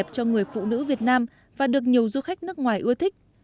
cho người phụ nữ việt nam và được nhiều du khách nước ngoài ưa thích